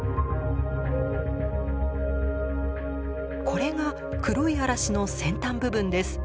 これが黒い嵐の先端部分です。